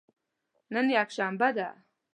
نن یکشنبه ده